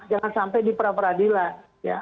jangan sampai di perapradilan